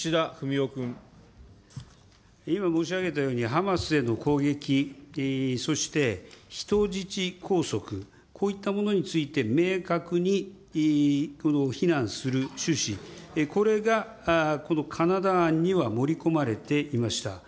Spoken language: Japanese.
今申し上げたように、ハマスへの攻撃、そして人質拘束、こういったものについて、明確に非難する趣旨、これがこのカナダ案には盛り込まれていました。